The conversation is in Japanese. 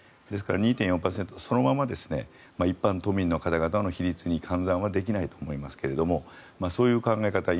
ですから２．４％そのまま一般の都民の方々の比率に換算はできないと思いますがそういう考え方